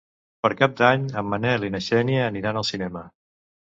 Per Cap d'Any en Manel i na Xènia aniran al cinema.